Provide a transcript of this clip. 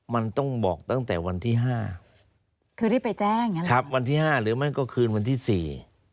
มันต้องบอกตั้งแต่วันที่๕คือได้ไปแจ้งครับวันที่๕หรือไม่ก็คืนวันที่๔